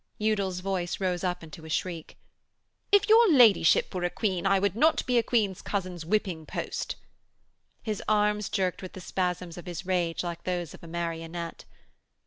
Udal's voice rose up into a shriek. 'If your ladyship were a Queen I would not be a Queen's cousin's whipping post.' His arms jerked with the spasms of his rage like those of a marionette.